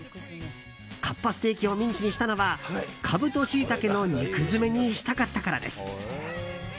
かっぱステーキをミンチにしたのはカブとシイタケの肉詰めにしたかったからです。